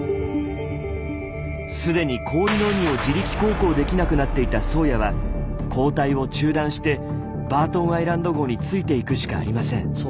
既に氷の海を自力航行できなくなっていた「宗谷」は交代を中断して「バートンアイランド号」についていくしかありません。